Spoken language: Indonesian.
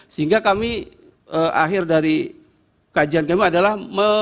sehingga kami akhir dari kajian kami adalah